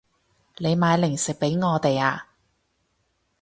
你買零食畀我哋啊